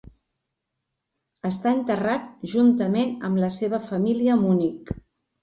Està enterrat juntament amb la seva família a Munic.